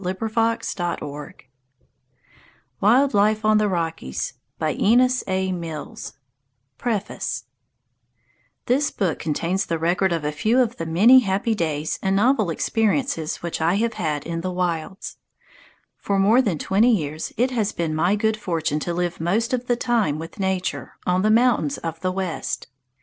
MILLS ALL RIGHTS RESERVED Published March 1909 To John Muir PREFACE This book contains the record of a few of the many happy days and novel experiences which I have had in the wilds. For more than twenty years it has been my good fortune to live most of the time with nature, on the mountains of the West.